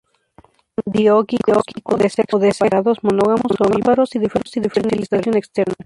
Son dioicos, o de sexos separados, monógamos, ovíparos, y de fertilización externa.